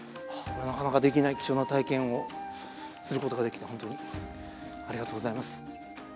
なかなかできない貴重な体験をする事ができてホントにありがとうございます。